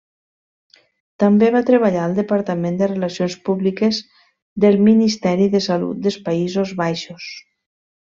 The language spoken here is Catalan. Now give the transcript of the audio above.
També va treballar al departament de relacions públiques del Ministeri de Salut dels Països Baixos.